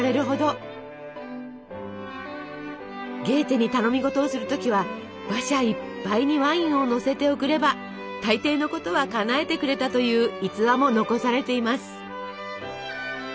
ゲーテに頼み事をする時は馬車いっぱいにワインをのせて贈れば大抵のことはかなえてくれたという逸話も残されています。